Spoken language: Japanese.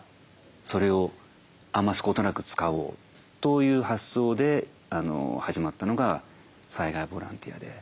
それを余すことなく使おうという発想で始まったのが災害ボランティアで。